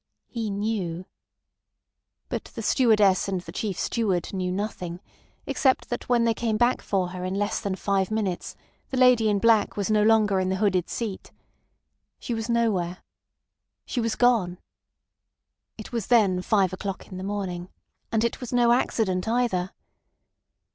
He knew. But the stewardess and the chief steward knew nothing, except that when they came back for her in less than five minutes the lady in black was no longer in the hooded seat. She was nowhere. She was gone. It was then five o'clock in the morning, and it was no accident either.